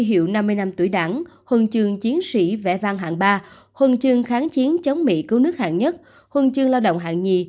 huân chương kháng chiến chống mỹ cứu nước hạng nhất huân chương lao động hạng nhì